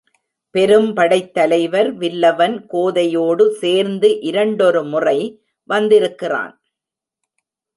பெரும்படைத்தலைவர் வில்லவன் கோதையோடு சேர்ந்து இரண்டொருமுறை வந்திருக்கிறான்.